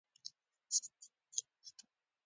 آهنګر وویل پهلمند او هرات کې هم دا حال دی.